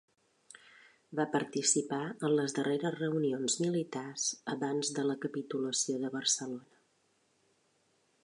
Va participar en les darreres reunions militars abans de la capitulació de Barcelona.